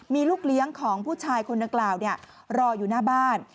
มีลูกเลี้ยงของผู้ชายคนดังกล่าวรออยู่หน้าบ้าน